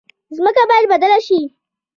ځمکه باید بدله شي.